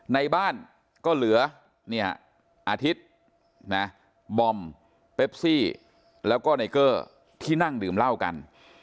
ในบ้านก็เหลืออาทิตย์บอมเปปซี่แล้วก็ไนเกอร์ที่นั่งดื่มเหล้ากัน